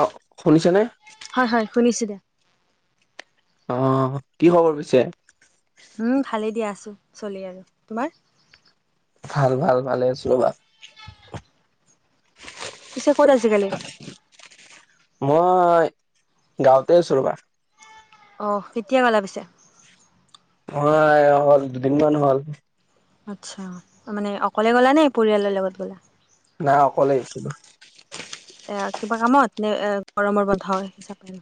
অ শুনিছেনে। হয় হয় শুনিছো দিয়া অ কি খবৰ পিছে। উম ভালেই দিয়া আছো চলি আৰু, তোমাৰ। ভাল ভাল ভালে আছো ৰবা। পিছে ক'ত আজিকালি। মই, গাঁৱতে আছোঁ ৰবা। অ কেতিয়া গলা পিছে। হয় হ'ল দুদিনমান হ'ল। আচ্ছা, মানে অকলে গ'লা নে পৰিয়ালৰ লগত গ'লা। নাই অকলেইছিলো এ কিবা কামত নে এ গৰমৰ বন্ধা হিচাপে আৰু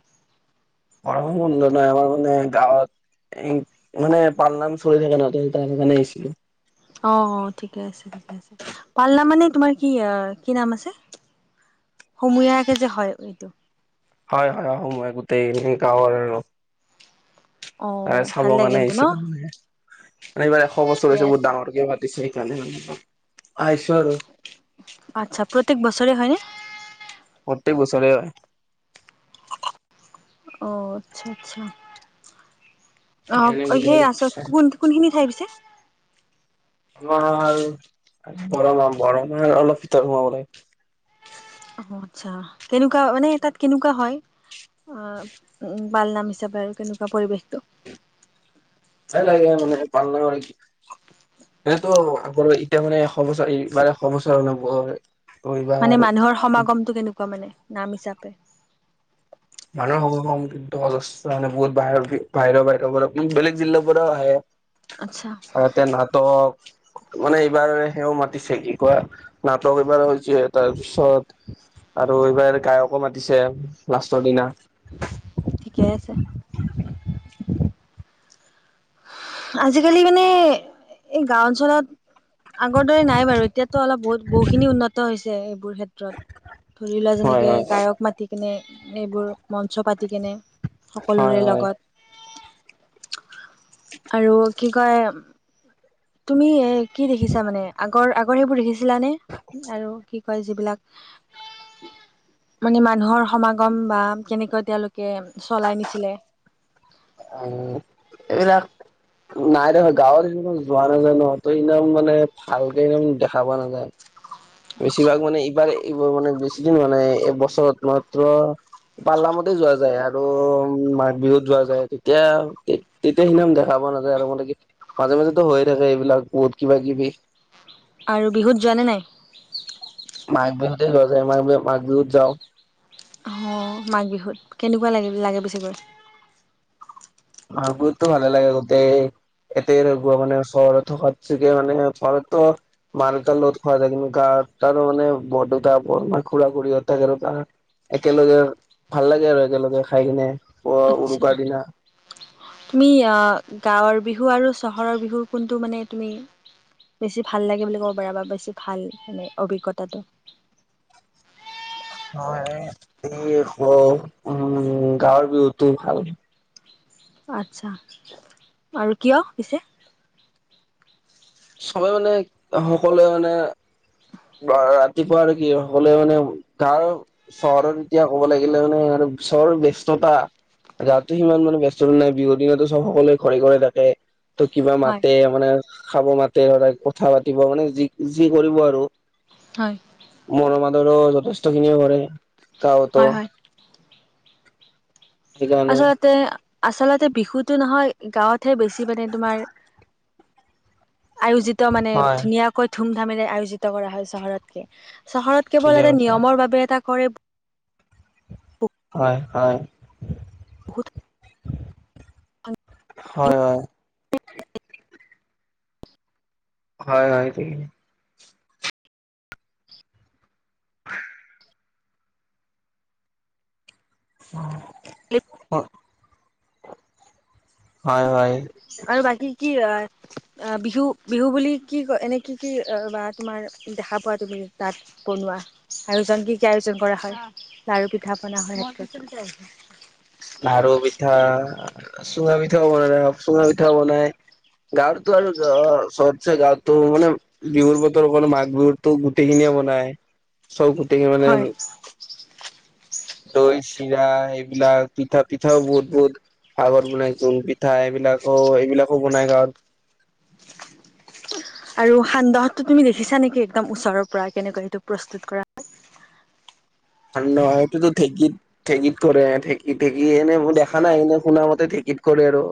বৰ নয় আমাৰ মানে গাঁৱত মানে পালনাম চলি থাকে ন ত তাৰখানেছিলো অ অ ঠিকে আছে ঠিকে আছে পালনাম মানে তোমাৰ কি কি নাম আছে সময়কে যে হয় এইটো হয় হয় আহোময় গোটেই ম গাৰ আৰু অ তাৰে ভাল চাবৰ লাগে কাৰণে কিন্তু ন আহিছিলে মানে এইবাৰ এশ ঠিকে বস্তুছে বহুত আছে ডাঙৰ ক চ কালে আছ আৰু আচ্ছা প্ৰত্যেক বছৰে হয়নে প্ৰত্যেক বছৰে হয় অ আচ্ছা আচ্ছা অ সেইকাৰণে সেই আছ বোলো কোন কোনখিনি ঠাই পিছে আম গৰম গৰম আৰু অলপ ভিতৰত সোমাব লাগে অ আচ্ছা কেনেকুৱা মানে তাত কেনেকুৱা হয় আহ বালনাম হিচাপে আৰু কেনেকুৱা পৰিৱেশটো ভ ল মানে পনক এনেতো আগৰ এতিয়া মানে এশ বছৰ এইবাৰে এশ বছৰ অনুভ মানে মানুহৰ সমাগমটো কেনেকুৱা মানে নাম হিচাপে মানুহৰ কি অজস্থ মানে বহুত বাহিৰ বাহিৰৰ বাহিৰৰ পৰা বেলেগ জিলাৰ পৰাও আহে আচ্ছা আৰুতে নাটক মানে এইবাৰ সেও মাতিছে কি কোৱা নাটক এইবাৰ হৈছে তাৰপিছত আৰু এইবাৰ গায়কো মাতিছে লাষ্টৰ দিনা ঠিকেই আছে আজিকালি মানে এই গাও অঞ্চলত আগৰ দৰে নাই বাৰু এতিয়া অলপ বহুত বহুখিনি উন্নত হৈছে এইবোৰ ক্ষেত্ৰত ধৰি লোৱা হয় যেনেকে হয় গায়ক মাতি কিনে এইবোৰ মঞ্চ পাতি কেনে হয় সকলোৰে হয় লগত আৰু কি কয় তুমি এ কি দেখিছা মানে আগৰ আগৰ সেইবোৰ দেখিছিলানে আৰু কি কয় যিবিলাক [unintelligible] মানে মানুহৰ সমাগম বা কেনেকৈ তেওঁলোকে চলাই নিছিলে। [unintelligible] নাই দেখা গাঁৱত সিমান যোৱা নাযায় নহ ত' একদম মানে ভালকে একদম দেখা পোৱা নাযায়। আচ্ছা। বেছিভাগ মানে এইবাৰ এইব মানে বেছিদিন মানে এইবছৰত মাত্ৰ পাল্লামতে যোৱা যায় আৰু মাঘ বিহুত যোৱা যায় তেতিয়া তেতিয়া সেইদিখন দেখা পা পোৱা নাযায় আৰু মানে কি মাজে মাজেতো হৈয়ে থাকে এইবিলাক বহুত কিবা কিবি। আৰু বিহুত যোৱা নে নাই? মাঘ বিহুতে যোৱা যায় মাঘ বিহু মাঘ বিহুত যাওঁ অ' মাঘ বিহুত, কেনেকুৱা লাগে লাগে পিছে গৈ মাঘ বিহুতো ভালে লাগে গোটেই এতে মানে চহৰত থকাত চেকি মানে [unintelligible] মা দুতাৰ লগত খোৱা যায় কিন্তু গা তাৰো মানে বৰদেউতা, বোমা, খুৰা, খুৰী থাকে আৰু গা একেলগে ভাল লাগে আৰু একেলগে খাই কিনে প আচ্ছা উৰুকাৰ দিনা তুমি গাঁৱৰ বিহু আৰু চহৰৰ বিহু কোনটো মানে তুমি বেছি ভাল লাগে বুলি ক'ব পাৰা বা বেছি ভাল মানে অভিজ্ঞতাটো ন এই উম গাঁৱৰ বিহুটো ভাল। আচ্ছা আৰু কিয় পিছে? চবে মানে সকলোৱে মানে [unintelligible] ৰাতিপুৱা আৰু কি সকলোৱে মানে গাঁৱৰ চহৰত এতিয়া ক'ব লাগিলে মানে আৰু চহৰৰ ব্যস্ত তা ৰাতি সিমান মানে ব্যস্ততা নাই বিহুৰ দিনটো চবে সকলোৱে ঘৰে ঘৰে থাকে। ত' কিবা হয়, মাতে মানে খাব মাতে, ধৰা কথা পাতিব মানে যি যি কৰিব আৰু হয়, মৰম আদৰো যথেষ্ট খিনিয়ে কৰে। গাঁৱ ত' হয়, হয়। আচলতে আচলতে বিহুটো নহয় গাঁৱতহে বেছি মানে তোমাৰ আয়োজিত মানে হয় ধুনীয়াকৈ ধুম ধামেৰে আয়োজিত কৰা হয় চহৰতকে চহৰত কেৱল ঠিকে এটা কৈছা নিয়মৰ বাবে এটা কৰে। হয়, হয়। বহুত হয়, হয়। হয়, হয় ঠিক। [unintelligible] হয় হয় আৰু বাকী কি হয়? [inaudible] বিহু বিহু বুলি কি কয় এনেই কি কি বা তোমাৰ দেখা পোৱা তুমি তাত বনোৱা? আয়োজন কি কি আয়োজন কৰা হয় লাৰু পিঠা পনা হয় [unintelligible] লাৰু পিঠা চুঙা পিঠাও [unintelligible] চুঙা পিঠাও বনায়। গাঁৱতো আৰু চবছে গাঁৱতো মানে বিহুৰ বতৰ অল মাঘ বিহুুৰতো গোটেইখিনিয়ে নাই চব গোটকে মানে হয় দৈ, চিৰা এইবিলাক। পিঠা, পিঠাও বহুত বহুত পাগত বনাই জোনপিঠা এইবিলাকো এইবিলাকো বনাই গাৱত। [inaudible] আৰু সান্দহতো তুমি দেখিছা নেকি একদম ওচৰৰ পৰা কেনেকৈ সেইটো প্ৰস্তুত কৰা হয়। সান্দহ সেইটো ঢেঁকীত ঢেঁকীত কৰে, ঢেঁকীত ঢেঁকী এনে মই দেখা নাই এনে শুনা মতে ঢেঁকী [unintelligible] কৰে আৰু।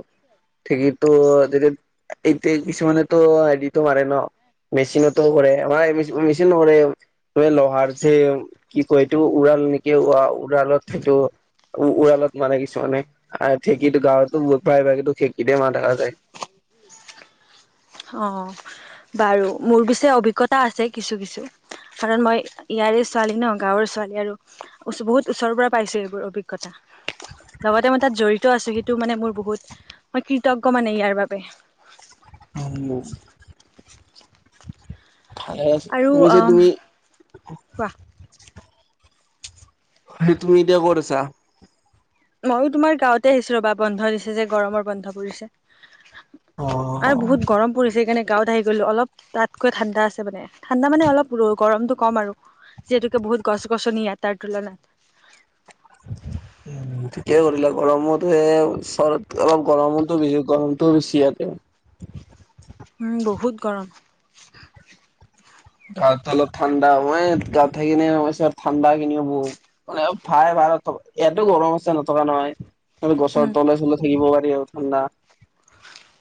ঢেকীটো [unintelligible] এইতি কিছুমানেতো হেৰিটো মাৰে ন। মেচিনতো কৰে মাৰ মেচিন কৰে তুম লোহাৰ যে কি কৰি সেইটো উৰাল নেকি উৰালত সেইটো। উ, ওৰালত মানে কিছুমানে ঢেঁকীটো গাঁৱতো প্ৰাই ভাগো ঢেঁকীতে মা দেখা যায়। অ' বাৰু। মোৰ পিছে অভিজ্ঞতা আছে কিছু কিছু। কাৰণ মই ইয়াৰে ছোৱালী ন' গাঁৱৰ ছোৱালী আৰু বহুত ওচৰৰ পৰা পাইছয় এইবোৰ অভিজ্ঞতা। লগতে মই তাত জড়িত আছোঁ সেইটো মানে মোৰ বহুত মই কৃতজ্ঞ মানে ইয়াৰ বাবে। [unintelligible] ভালেই হৈছে। আৰু শুনিছোঁ অ' তুমি কোৱা। তুমি এতিয়া ক'ত আছা? ময়ো তোমাৰ গাঁৱতে আহিছোঁ, ৰ'ব বন্ধ দিছে যে গৰমৰ বন্ধ পৰিছে। আৰু অ'। বহুত গৰম পৰিছে সেইকাৰণে গাঁৱত আহি গ'লো অলপ তাতকৈ ঠাণ্ডা আছে মানে ঠাণ্ডা মানে অলপ গৰমতটো কম আৰু। যিহেতুকে বহুত গছ গছনি কম তাৰ তুলনাত। [inaudible] ঠিকেই কৰিলা। গৰমতে চ অলপ গৰমোছ গৰমটো বেছি ইতে [inaudible] উম, বহুত গৰম। গাঁৱতে অলপ ঠাণ্ডা, মই গাৱত থাকি কেনে ঠাণ্ডা কিনিও বহুত মানে ভাই ভা ইয়াতো গৰম আছে নথকা নহয়। উম। গছৰ তলে চলে থাকিব পাৰি আৰু ঠাণ্ডা।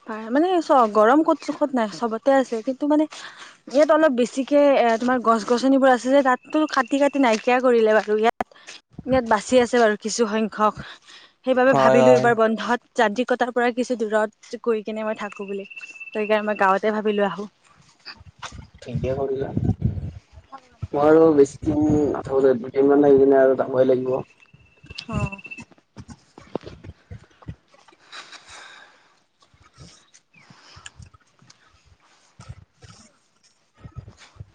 পাৰ মানে চোৱা গৰম ক'ত চোখত নাই চবতে আছে কিন্তু মানে ইয়াত অলপ বেছিকে এ, তোমাৰ গছ গছনিবোৰ আছে যে তাততো কাটি কাটি নাইকিয়া কৰিলে বাৰু ইয়াত ইয়াত বাচি আছে বাৰু কিছু সংখ্যক, সেইবাবে হয় ভাবিলোঁ হয়। এইবাৰ বন্ধত যান্ত্ৰিকতাৰ পৰা কিছু দূৰত কৰি কিনে মই থাকোঁ বুলি সেইকাৰণে মই গাঁৱতে ভাবিলোঁ আহোঁ। ঠিকে কৰিলা। মই আৰু বেছি নথ দুটেইমান সেইদিনে আৰু যাবই লাগিব। অ'।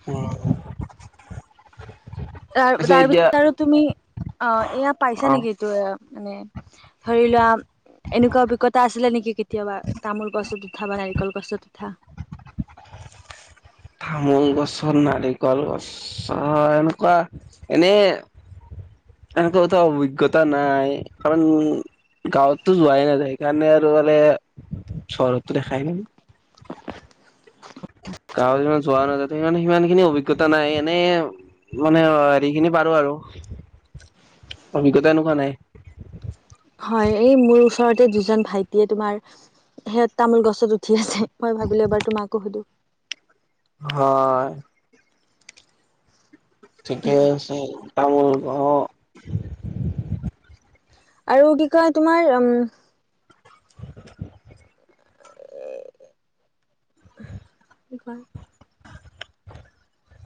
উম। তাৰ পিছে তাৰ এতিয়া পিছত আৰু তুমি আ, এয়া পাইছা অ নেকি টো মানে ধৰি লোৱা এনেকুৱা অভিজ্ঞতা আছিলে নেকি কেতিয়াবা, তামোল গছত উঠা বা নাৰিকল গছত উঠা? [inaudible] তামোল গছৰ, নাৰিকল গছৰ এনেকুৱা এনে এনেকোৱাতো অভিজ্ঞতা নাই কাৰণ গাঁৱততো যোৱাই নাযায় সেইকাৰণে আৰু মানে চহৰতো দেখাই নাই। [inaudible] গাঁৱতমান যোৱা নাই তাতে সেইে সিমানখিনি অভিজ্ঞতা নাই এনে মানে হেৰিখিনি পাৰোঁ আৰু। অভিজ্ঞতা এনেকুৱা নাই। হয়। এই মোৰ ওচৰতে দুজন ভাইটিয়ে তোমাৰ হেই তামোল গছত উঠি আছে। মই ভাবিলোঁ এবাৰ তোমাকো সুধো। হয়। ঠিকেই আছে। তামোল গ আৰু কি কয় তোমাৰ উম [unintelligible] কি কোৱা?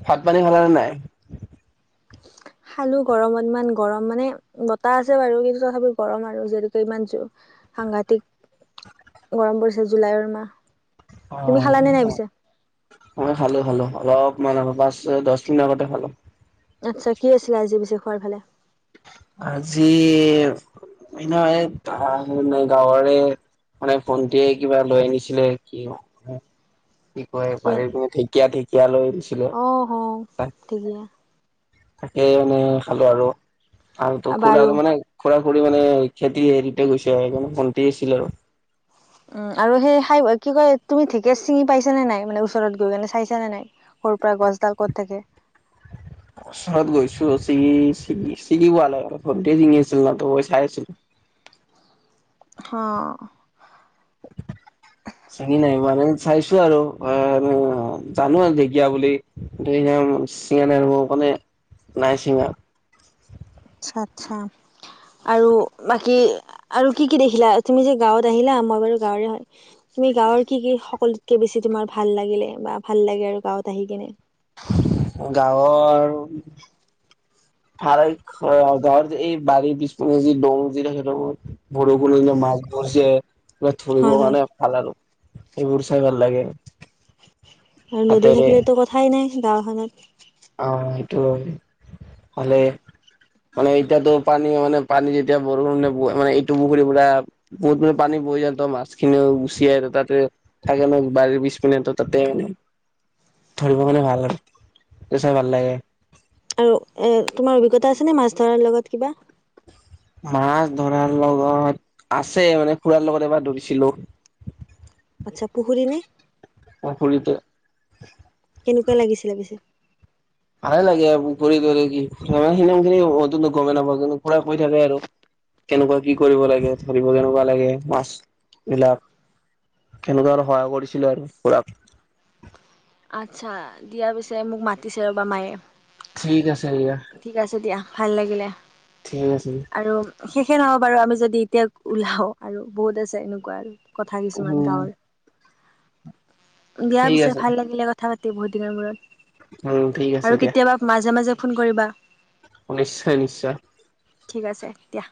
ভাত পানী খালা নে নাই? খালোঁ গৰমত ইমান গৰম মানে বতাহ আছে বাৰু কিন্তু তথাপি গৰম আৰু যিহেতুকে ইমান জোৰ সাংঘাতিক গৰম পৰিছে, জুলাইৰ মাহ। তুমি অ' খালানে নাই পিছে মই খালোঁ খালোঁ। অলপ পাঁচ দহ মিনিট আগতে খালোঁ। আচ্ছা কি আছিলে আজি পিছে খোৱাৰ ফালে? আজি এ। [unintelligible] গাঁৱৰে মানে ভন্টিটিয়ে কিবা লৈ আনিছিলে কি কি কয় পাৰি পিনে ঢেঁকীয়া ঢেঁকীয়া লৈ আনিছিলে অহ, ঢেঁকীয়া তাকেই মানে খালো আৰু আৰু খুৰা বাৰু মানে ফুৰা ফুৰি মানে খেতি হেৰিতে গৈছে সেইকাৰণে ভণ্টি আছিল আৰু। উম আৰু সেই খাই কি কয় তুমি ঢেঁকীয়া ছিঙি পাইছা নে নাই মানে ওচৰত গৈ কেনে চাইছা নে নাই সৰু পৰা গছডাল ক'ত থাকে। [unintelligible] ওচৰত গৈছো ছিঙি ছিঙি ছিঙি পোৱা নাই ভণ্টি ছিঙি আছিল নহ ত মই চাই আছিলো। [inaudible] হ। [inaudible] ছিঙি নাই মানে চাইছো আৰু জানো আৰু ঢেঁকীয়া বুলি। চিঙা নাইব মানে নাই চিঙা আচ্ছা, আচ্ছা। আৰু বাকী আৰু কি, কি দেখিলা তুমি যে গাঁওত আহিলা মই বাৰু গাঁৱৰে হয়। তুমি গাঁও কি কি সকলোতকে বেছি তোমাৰ ভাল লাগিলে বা ভাল লাগে আৰু গাঁওত আহি কিনে। গাঁওৰ। গাঁওৰ যে এই বাৰী বিছপিনে যি দং থাকে সেই ভৰ মাজ মজিয়াত ধৰিবৰ হয় হয় কাৰণে ভাল আৰু এইবোৰ চাই ভাল লাগে। আৰু নদী হাতেৰে থাকিলেতো কথাই নাই গাঁওখনত। আহ সেইটো হলে মানে এতিয়াতো পানী মানে পানী যেতিয়া বৰষুণে মানে এইটো পুখুৰী পো বহুত পানী ন্ত মাছখিনিও গুচিয়াই তাতে থাকে ন বাৰীৰ পিছ পিনে তাতে মানে ধৰিব মানে ভাল চাই ভাল লাগে। আৰু এ তোমাৰ অভিজ্ঞতা আছে নে মাছ ধৰাৰ লগত কিবা। মাছ ধৰাৰ লগত আছে মানে খুৰাৰ লগত এবাৰ ধৰিছিলো। [inaudible] আচ্ছা পুখুৰী নে? অ', খুৰীতে। কেনেকুৱা লাগিছিলে পিছে। ভালে লাগে আৰু ঘূৰি তৰি কি খিম খিনি অভি গমেই নাপাওঁ কিন্তু পুৰা কৈ থাকে আৰু কেনেকুৱা কি কৰিব লাগে ধৰিব কেনেকুৱা লাগে মাছ বিলাক কেনেকুৱা আৰু সহায় কৰিছিলো আৰু পুৰা আচ্ছা দিয়া পিছে মোক মাতিছে ৰ'বা মায়ে। ঠিক আছে। দিয়া ঠিক আছে দিয়া, ভাল লাগিলে ঠিক আছে আৰু শেষে নহক। বাৰু আমি যদি এতিয়া ওলাও আৰু বহুত আছে এনেকুৱা আৰু কথা কিছুমান উম গাঁওৰ বিয়া ঠিক পিছে আছে ভাল লাগিলে কথা পাতি বহুত দিনৰ উম ঠিক মূৰত। আছে আৰু দিয়া কেতিয়াবা মাজে মাজে ফোন কৰিবা। নিশ্চয় নিশ্চয়। ঠিক আছে এতিয়া।